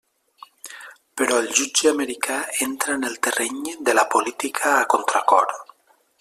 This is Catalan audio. Però el jutge americà entra en el terreny de la política a contracor.